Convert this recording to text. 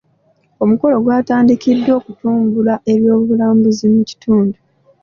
Omukolo gwatandikiddwa okutumbula ebyobulambuzi mu kitundu.